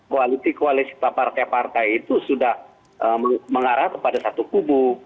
koalisi koalisi partai partai itu sudah mengarah kepada satu kubu